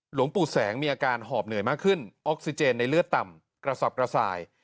หลวงปู่แสงมีอาการหอบเหนื่อยมากขึ้นออกซิเจนในเลือดต่ำกระสับกระส่าย